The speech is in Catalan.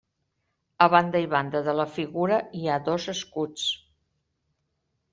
A banda i banda de la figura hi ha dos escuts.